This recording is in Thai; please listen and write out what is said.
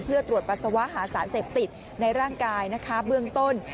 เพื่อตรวจปัสสาวะหาสารเสพติดในร่างกายนะคะเบื้องต้น